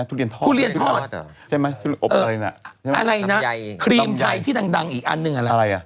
อะไรนะครีมไทยที่ดังอีกอันนึง